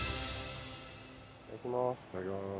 いただきます。